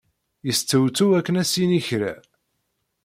Yestewtew akken ad s-yini kra.